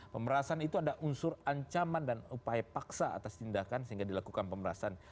pemerasan itu ada unsur ancaman dan upaya paksa atas tindakan sehingga dilakukan pemerasan